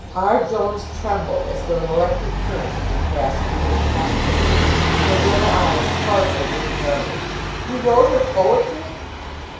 R. Jones trembled as though an electric current had been passed through his plump frame. His little eyes sparkled with merriment. "You wrote her poetry!"